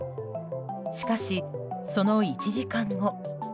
しかし、その１時間後。